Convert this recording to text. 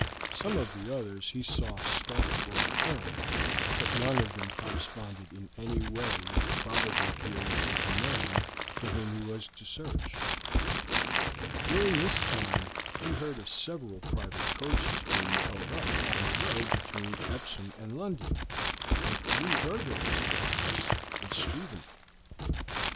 Some of the others he saw start or return, but none of them corresponded in any way with the probable appearance of the man for whom he was in search. During this time he heard of several private coaches being held up on the road between Epsom and London, and three burglaries took place at Streatham.